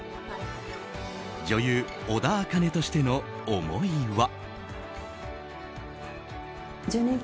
女優・小田茜としての思いは。